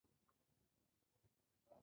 یو څو دانې پیکورې مې په بیک کې هم کېښودې.